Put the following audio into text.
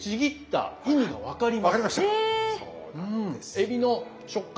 えびの食感